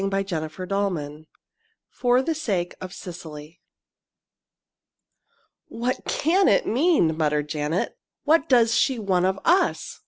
CHAPTER IX FOR THE SAKE OF CECILY "What can it mean?" muttered Janet. "What does she want of us?"